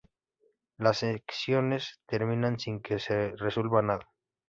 Las sesiones terminan sin que se resuelva nada.